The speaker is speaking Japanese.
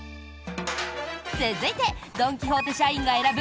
続いてドン・キホーテ社員が選ぶ